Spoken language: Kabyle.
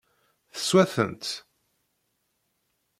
Teswa-tent?